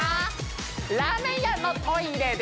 ラーメン屋のトイレで